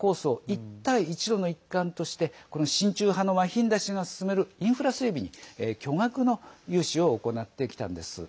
一帯一路の一環として親中派のマヒンダ氏が進めるインフラ整備に巨額の融資を行ってきたんです。